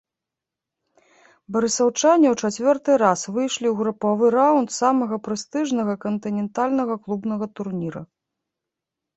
Барысаўчане ў чацвёрты раз выйшлі ў групавы раўнд самага прэстыжнага кантынентальнага клубнага турніра.